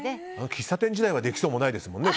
喫茶店時代はできそうもないですもんね。